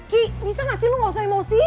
ki bisa gak sih lu gak usah emosi